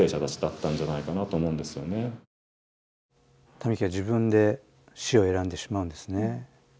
民喜は自分で死を選んでしまうんですね。